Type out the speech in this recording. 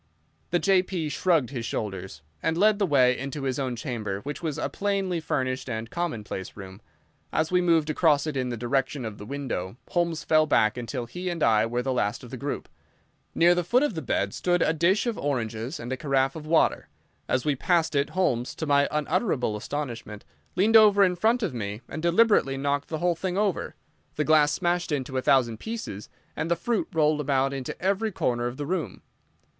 The J.P. shrugged his shoulders, and led the way into his own chamber, which was a plainly furnished and commonplace room. As we moved across it in the direction of the window, Holmes fell back until he and I were the last of the group. Near the foot of the bed stood a dish of oranges and a carafe of water. As we passed it Holmes, to my unutterable astonishment, leaned over in front of me and deliberately knocked the whole thing over. The glass smashed into a thousand pieces and the fruit rolled about into every corner of the room.